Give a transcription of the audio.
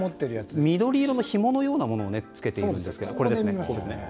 緑色のひものようなものをつけていますね。